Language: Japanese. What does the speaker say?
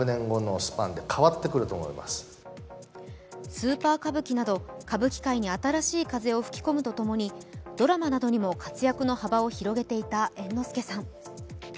スーパー歌舞伎など歌舞伎界に新しい風を吹き込むとともにドラマなどにも活躍の幅を広げていた猿之助さん。